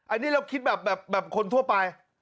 อันนี้เราคิดแบบคนทั่วไป